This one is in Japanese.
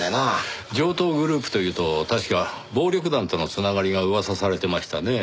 城東グループというと確か暴力団との繋がりが噂されてましたねぇ。